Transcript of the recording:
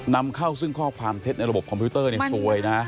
นำเข้าซึ่งข้อความเท็จในระบบคอมพิวเตอร์ซวยนะ